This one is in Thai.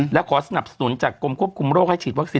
และขอสนับสนุนจากกรมควบคุมโรคให้ฉีดวัคซีน